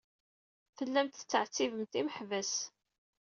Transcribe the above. Tellamt tettɛettibemt imeḥbas.